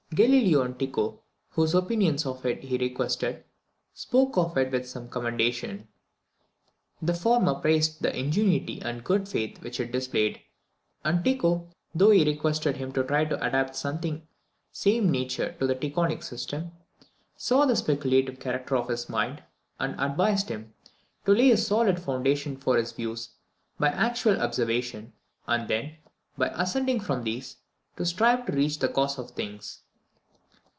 Galileo and Tycho, whose opinions of it he requested, spoke of it with some commendation. The former praised the ingenuity and good faith which it displayed; and Tycho, though he requested him to try to adapt something of the same nature to the Tychonic system, saw the speculative character of his mind, and advised him "to lay a solid foundation for his views by actual observation, and then, by ascending from these, to strive to reach the causes of things."